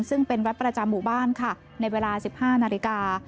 ซึ่งเป็นวัดประจำหมู่บ้านค่ะในเวลา๑๕นาฬิกา